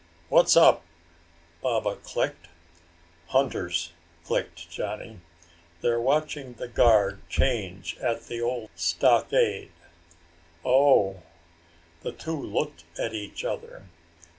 "What's up?" Baba clicked. "Hunters!" clicked Johnny. "They're watching the guard change at the old stockade." "Oh." The two looked at each other.